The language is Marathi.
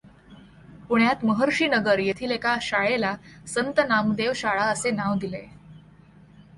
पुण्यात महर्षीनगर येथील एका शाळेला संत नामदेव शाळा असे नाव दिले आहे.